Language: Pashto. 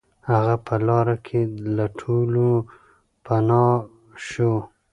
هغه په لاره کې له ټولو پناه شو.